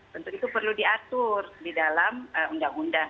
tentu itu perlu diatur di dalam undang undang